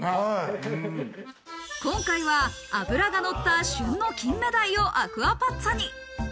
今回は脂がのった旬の金目鯛をアクアパッツァに。